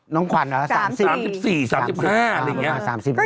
น้องขวัญ๓๔๓๕อะไรอย่างนี้